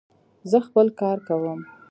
زه خپل کار کوم.